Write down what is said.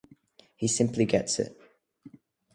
He simply gets it.